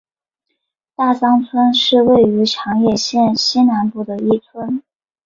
大桑村是位于长野县西南部的一村。